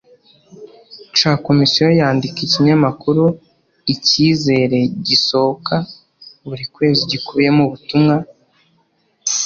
c komisiyo yandika ikinyamakuru icyizere gisohoka buri kwezi gikubiyemo ubutumwa